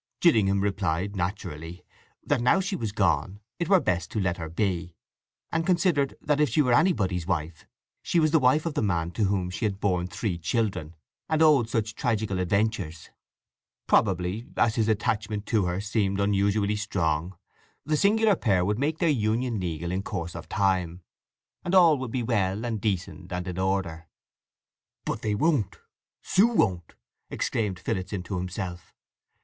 Gillingham replied, naturally, that now she was gone it were best to let her be, and considered that if she were anybody's wife she was the wife of the man to whom she had borne three children and owed such tragical adventures. Probably, as his attachment to her seemed unusually strong, the singular pair would make their union legal in course of time, and all would be well, and decent, and in order. "But they won't—Sue won't!" exclaimed Phillotson to himself.